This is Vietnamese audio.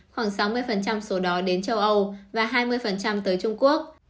khoảng sáu mươi số đó đến châu âu và hai mươi tới trung quốc